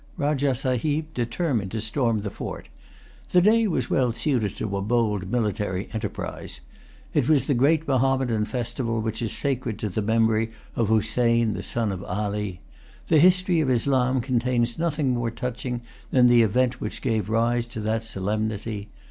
Rajah Sahib determined to storm the fort. The day was well suited to a bold military enterprise. It was the great Mahommedan festival which is sacred to the memory of Hosein, the son of Ali. The history of Islam contains nothing more touching than the event which gave rise to that solemnity.